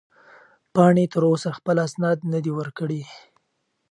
پاڼې تر اوسه خپل اسناد نه دي ورکړي.